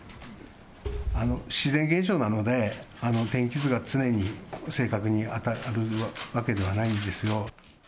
自然現象なので、天気図が常に正確に当たるわけではないんですよ。